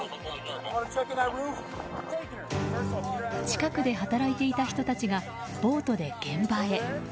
近くで働いていた人たちがボートで現場へ。